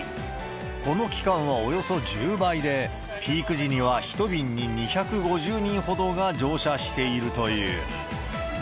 この期間はおよそ１０倍で、ピーク時には１便に２５０人ほどが乗車しているという。